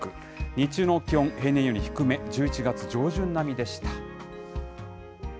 日中の気温、平年より低め、１１月上旬並みでした。